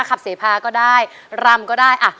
ขับเสพาก็ได้รำก็ได้